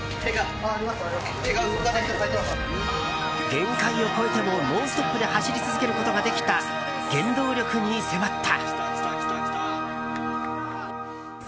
限界を超えてもノンストップで走り続けることができた原動力に迫った。